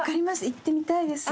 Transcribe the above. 行ってみたいです。